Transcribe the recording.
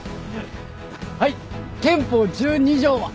はい憲法１２条は？